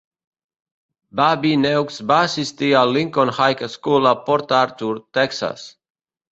Babineaux va assistir al Lincoln High School a Port Arthur, Texas.